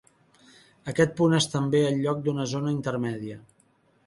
Aquest punt és també el lloc d'una zona intermèdia.